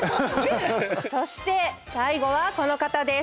そして最後はこの方です。